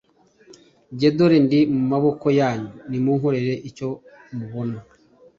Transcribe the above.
jye dore ndi mu maboko yanyu l munkorere icyo mubona